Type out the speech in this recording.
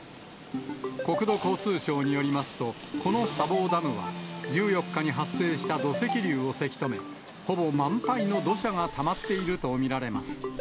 国土交通省によりますと、この砂防ダムは、１４日に発生した土石流をせき止め、ほぼ満杯の土砂がたまっていると見られます。